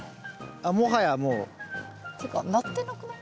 あっもはやもう。っていうかなってなくない？